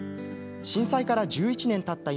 震災から１１年たった